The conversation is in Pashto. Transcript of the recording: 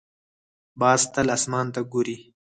باز تل اسمان ته ګوري